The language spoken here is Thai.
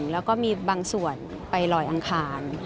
แล้วก็มีบางส่วนไปลอยอังคาร